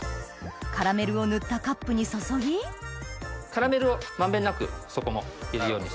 カラメルを塗ったカップに注ぎカラメルをまんべんなく底も。